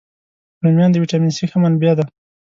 رومیان د ویټامین C ښه منبع دي